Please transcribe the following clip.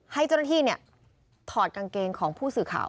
ให้เจ้าหน้าที่ถอดกางเกงของผู้สื่อข่าว